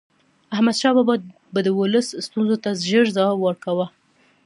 احمد شاه بابا به د ولس ستونزو ته ژر جواب ورکاوه.